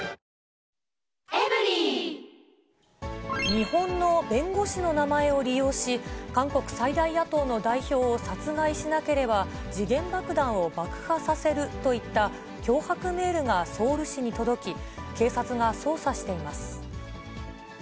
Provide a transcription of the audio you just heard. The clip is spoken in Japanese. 日本の弁護士の名前を利用し、韓国最大野党の代表を殺害しなければ、時限爆弾を爆破させるといった脅迫メールがソウル市に届き、警察が捜査しています。